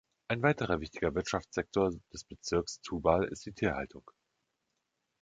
Ein weiterer wichtiger Wirtschaftssektor des Bezirks Thoubal ist die Tierhaltung.